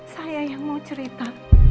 saya yang mau cerita